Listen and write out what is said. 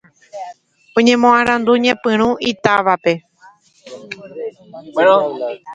Oñemoarandu ñepyrũ itávape